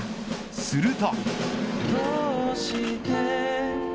すると。